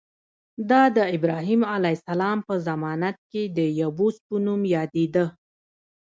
دا د ابراهیم علیه السلام په زمانه کې د یبوس په نوم یادېده.